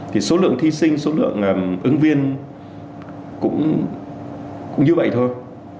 thì số lượng thí sinh số lượng ứng viên cũng như vậy thôi